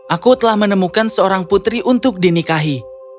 aku telah menemukan seorang putri untuk dinikahi